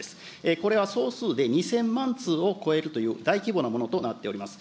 これは総数で２０００万通を超えるという、大規模なものとなっております。